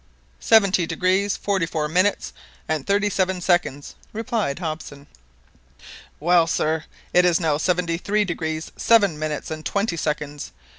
"Seventy degrees, forty four minutes, and thirty seven seconds," replied Hobson. "Well, sir, it is now seventy three degrees, seven minutes, and twenty seconds!